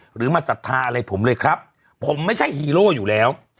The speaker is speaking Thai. หรือมาศรัทธาอะไรผมเลยครับผมไม่ใช่ฮีโร่อยู่แล้ว